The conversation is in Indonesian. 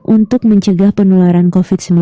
untuk mencegah penularan covid sembilan belas lebih luas